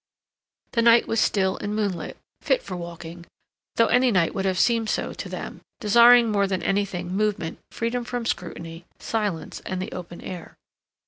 The night was still and moonlit, fit for walking, though any night would have seemed so to them, desiring more than anything movement, freedom from scrutiny, silence, and the open air.